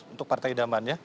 untuk partai daman ya